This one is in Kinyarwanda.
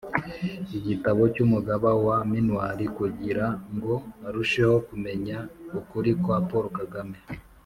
igitabo cy'umugaba wa minuar kugira ngo arusheho kumenya ukuri kwa paul kagame!